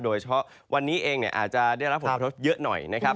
โดยเฉพาะวันนี้เองอาจจะได้รับผลกระทบเยอะหน่อยนะครับ